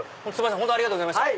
本当ありがとうございました。